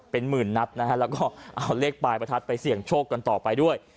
เป็นหมื่นนัดนะฮะแล้วก็เอาเลขปลายประทัดไปเสี่ยงโชคกันต่อไปด้วย